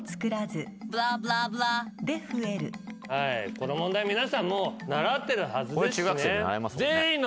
この問題皆さん習ってるはずですしね。